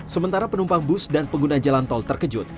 sementara penumpang bus dan pengguna jalan tol terkejut